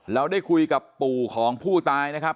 เราได้คุยกับปู่ของผู้ตายนะครับ